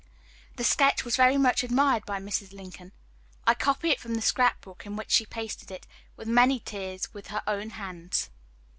This sketch was very much admired by Mrs. Lincoln. I copy it from the scrap book in which she pasted it, with many tears, with her own hands.